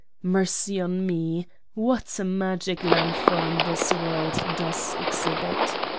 Mercy on me ! what a Magic Lanthorn this World does exhibit